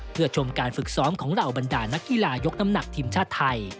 เพื่อชมการฝึกซ้อมของเหล่าบรรดานักกีฬายกน้ำหนักทีมชาติไทย